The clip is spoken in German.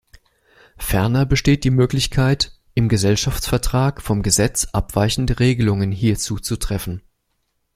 Ferner besteht die Möglichkeit, im Gesellschaftsvertrag vom Gesetz abweichende Regelungen hierzu zu treffen.